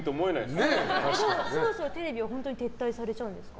そろそろテレビは本当に撤退されちゃうんですか？